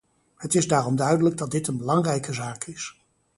Het is daarom duidelijk dat dit een belangrijke zaak is.